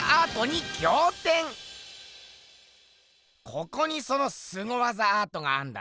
ここにそのすご技アートがあんだな？